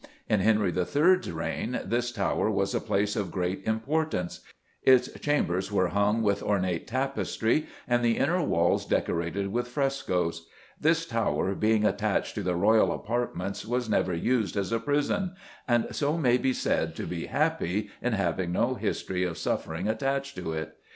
In Henry III.'s reign this tower was a place of great importance; its chambers were hung with ornate tapestry, and the inner walls decorated with frescoes. This tower, being attached to the royal apartments, was never used as a prison, and so may be said to be happy in having no history of suffering attached to it.